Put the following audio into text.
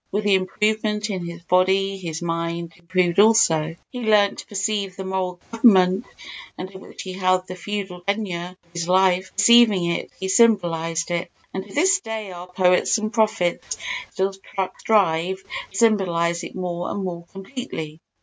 With the improvement in his body his mind improved also. He learnt to perceive the moral government under which he held the feudal tenure of his life—perceiving it he symbolised it, and to this day our poets and prophets still strive to symbolise it more and more completely.